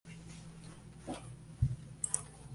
Fue a la vez novicia y directora del colegio.